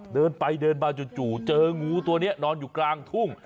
เดินไปเดินมาจู่เจองูตัวนี้นอนอยู่กลางทุ่ง